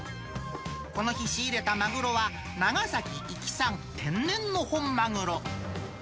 この日、仕入れたマグロは長崎・壱岐産、天然の本マグロ。